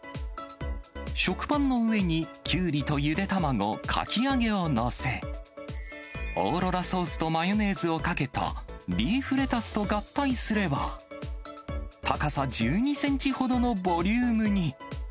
食パンの上にキュウリとゆで卵、かき揚げを載せ、オーロラソースとマヨネーズをかけたリーフレタスと合体すれば、高さ１２センチほどのボリュームに。